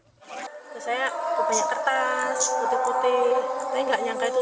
saya punya kertas putih putih tapi nggak nyangka itu